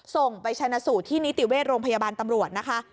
ส่งไปชนะสูตรที่นิติเวชโรงพยาบาลตำรวจนะคะ